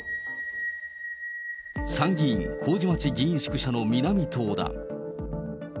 参議院麹町議員宿舎の南棟だ。